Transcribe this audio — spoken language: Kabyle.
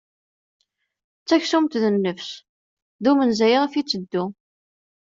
D taksumt d nnefs, d umenzay iɣef iteddu.